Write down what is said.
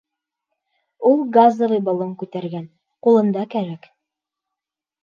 Ул газовый баллон күтәргән, ҡулында кәрәк.